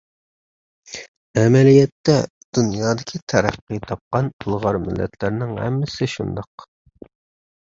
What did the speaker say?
ئەمەلىيەتتە، دۇنيادىكى تەرەققىي تاپقان ئىلغار مىللەتلەرنىڭ ھەممىسى شۇنداق.